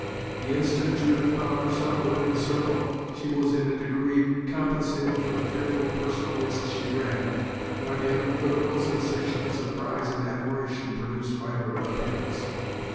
The instant Judith found herself within the circle, she was, in a degree, compensated for the fearful personal risk she ran, by the unequivocal sensation of surprise and admiration produced by her appearance.